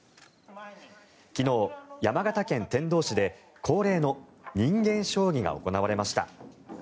昨日、山形県天童市で恒例の人間将棋が行われました。